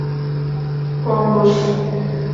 Pombos